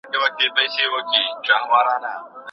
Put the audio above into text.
اغېزناکې طرحې د ټولنې لپاره ګټورې دي.